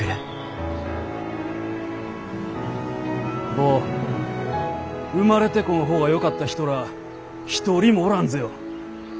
坊生まれてこん方がよかった人らあ一人もおらんぜよ。